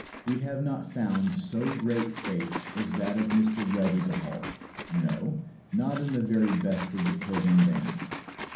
We have not found so great faith as that of Mr. Ready to halt, no, not in the very best of the pilgrim bands.